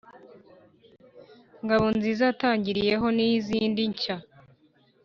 Ngabonziza yatangiriyeho n’izindi nshya.